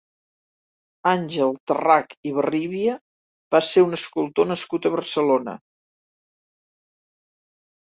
Àngel Tarrach i Barríbia va ser un escultor nascut a Barcelona.